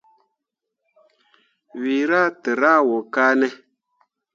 Wǝ rah tǝrah wo kane.